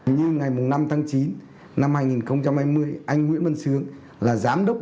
như ngày năm tháng chín năm hai nghìn hai mươi anh nguyễn vân sương là giám đốc